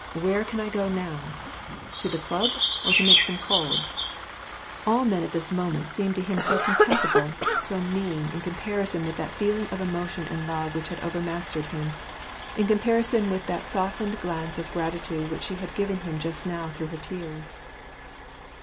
" Where can I go now ? To the club, or to make gome c^ls ?" All men, at this 392 WAR AND PEACE, moment, seemed to him so contemptible, so mean, in comparison with that feeling of emotion and love which overmastered him ; in comparison with that softened glance of gratitude which she had given him just now through her tears.